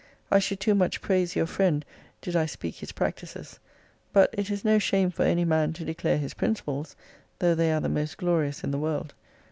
I should too much praise your friend did I speak his practises^ but it is no shame for any man to declare his principles, though they are the most glorious in the world.